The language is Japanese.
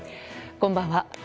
こんばんは。